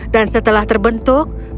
dan setelah terbentuk